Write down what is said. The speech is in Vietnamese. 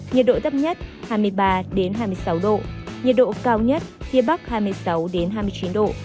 nhiệt độ thấp nhất hai mươi ba hai mươi sáu độ nhiệt độ cao nhất phía bắc hai mươi sáu hai mươi chín độ